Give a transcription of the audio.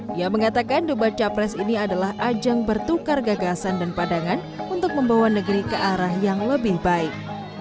dia mengatakan debat capres ini adalah ajang bertukar gagasan dan pandangan untuk membawa negeri ke arah yang lebih baik